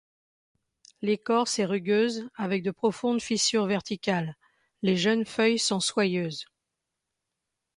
L'écorce est rugueuse, avec de profondes fissures verticales, les jeunes feuilles sont soyeuses.